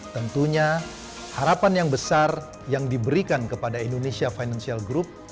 tentunya harapan yang besar yang diberikan kepada indonesia financial group